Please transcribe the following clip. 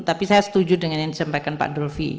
tapi saya setuju dengan yang disampaikan pak dolvi